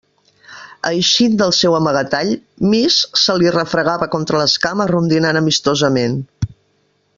Eixint del seu amagatall, Miss se li refregava contra les cames rondinant amistosament.